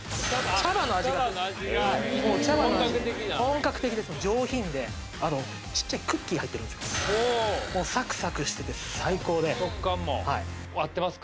茶葉の味が本格的な本格的です上品でちっちゃいクッキー入ってるんですよもうサクサクしてて最高で食感も合ってますか？